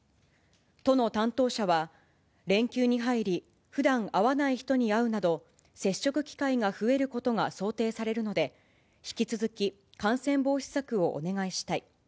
都の担当者は、連休に入り、ふだん会わない人に会うなど、接触機会が増えることが想定されるので、引き続き感染防止策をお願いしたい。